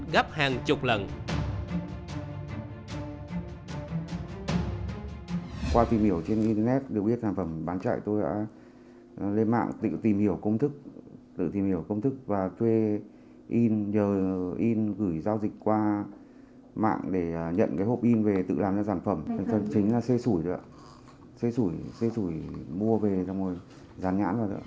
gấp hàng chục lần